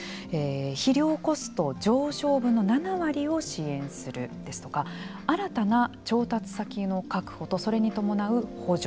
肥料コスト上昇分の７割を支援するですとか新たな調達先の確保とそれに伴う補助。